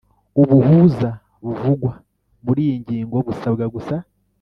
Ubuhuza buvugwa muriyi ngingo busabwa gusa